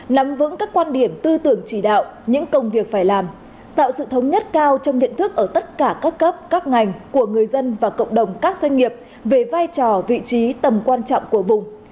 nắm vững các quan điểm tư tưởng chỉ đạo những công việc phải làm tạo sự thống nhất cao trong nhận thức ở tất cả các cấp các ngành của người dân và cộng đồng các doanh nghiệp về vai trò vị trí tầm quan trọng của vùng